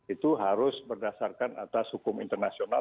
itu harus berdasarkan atas hukum internasional